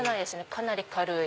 かなり軽い。